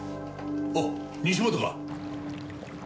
あっ西本か？